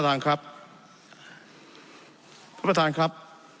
ท่านประธานครับ